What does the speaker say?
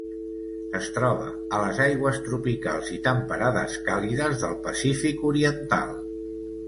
Es troba a les aigües tropicals i temperades càlides del Pacífic oriental.